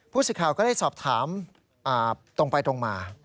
ผู้สิทธิ์ข่าวก็ได้สอบถามตรงไปตรงมา